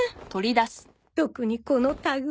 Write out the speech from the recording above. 特にこのタグ